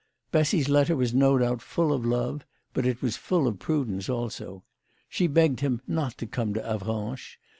Bessy's letter was no doubt full of love, but it was full of prudence also. She begged him not to come to Avranches.